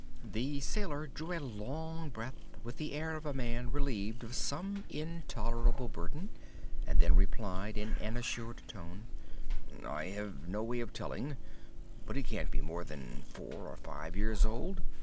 The sailor drew a long breath, with the air of a man relieved of some intolerable burden, and then replied, in an assured tone: "I have no way of telling—but he can't be more than four or five years old.